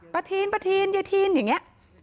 ป้าทินเย้ทินอย่างนี้